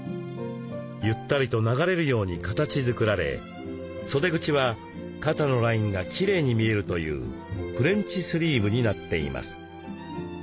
ゆったりと流れるように形づくられ袖口は肩のラインがきれいに見えるというフレンチスリーブになっています。